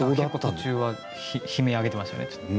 途中は悲鳴上げてましたね。